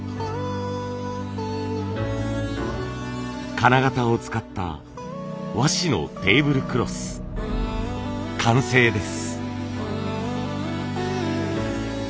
金型を使った和紙のテーブルクロス完成です。